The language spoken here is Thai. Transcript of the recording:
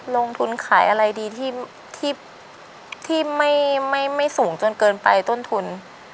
ลงทุนขายอะไรดีที่ไม่สูงจนเกินไปต้นทุน